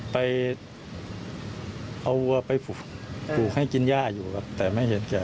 ไปเอาวัวไปปลูกให้กินย่าอยู่ครับแต่ไม่เห็นแก่